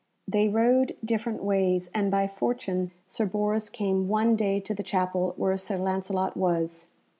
They rode different ways, and by fortune Sir Bors came one day to the chapel where Sir Lancelot was.